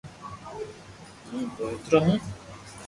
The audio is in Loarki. ھون دوئيترو ھون